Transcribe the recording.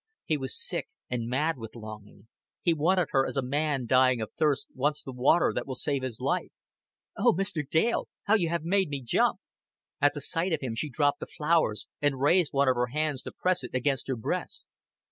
He was sick and mad with longing: he wanted her as a man dying of thirst wants the water that will save his life. "Oh, Mr. Dale, how you hev made me jump!" At sight of him she dropped the flowers and raised one of her hands to press it against her breast.